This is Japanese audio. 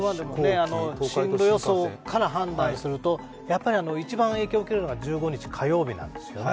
進路予想から判断すると、やっぱり一番影響を受けるのが１５日火曜日なんですよね。